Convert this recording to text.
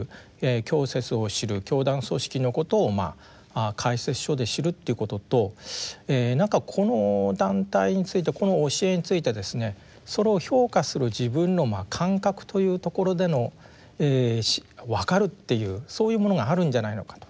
教説を知る教団組織のことを解説書で知るということと何かこの団体についてこの教えについてですねそれを評価する自分の感覚というところでのわかるっていうそういうものがあるんじゃないのかと。